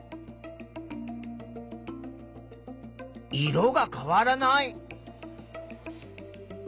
色が変わらない。